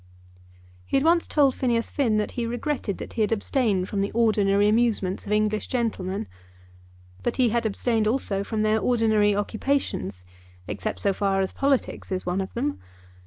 He had once told Phineas Finn that he regretted that he had abstained from the ordinary amusements of English gentlemen. But he had abstained also from their ordinary occupations, except so far as politics is one of them.